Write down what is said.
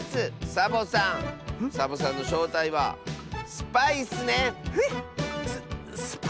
サボさんサボさんのしょうたいはスパイッスね！へ？